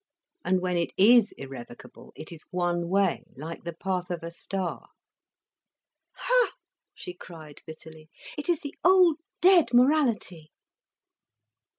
And when it is irrevocable, it is one way, like the path of a star." "Ha!" she cried bitterly. "It is the old dead morality."